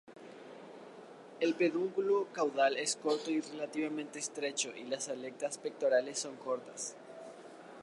El pedúnculo caudal es corto y relativamente estrecho y las aletas pectorales son cortas.